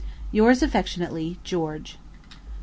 Yours affectionately, GEORGE.